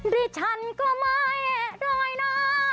ดิฉันก็ไม่แอะด้วยนะ